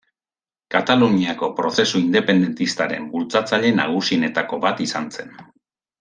Kataluniako prozesu independentistaren bultzatzaile nagusienetako bat izan zen.